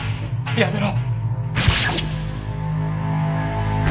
やめろ！